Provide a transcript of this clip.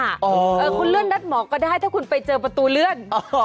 เออคุณเลื่อนนัดหมอก็ได้ถ้าคุณไปเจอประตูเลื่อน